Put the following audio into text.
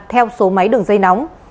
theo số máy đường dây nóng